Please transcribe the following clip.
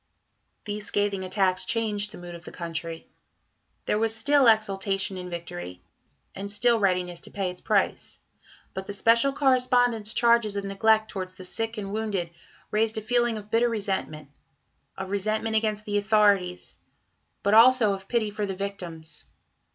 These scathing attacks changed the mood of the country. There was still exultation in victory, and still readiness to pay its price; but the "Special Correspondent's" charges of neglect towards the sick and wounded raised a feeling of bitter resentment of resentment against the authorities, but also of pity for the victims.